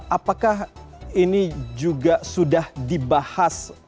apakah ini juga sudah dibahas